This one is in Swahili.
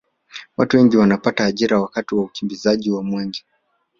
watu wengi wanapata ajira wakati wa ukimbizaji wa mwenge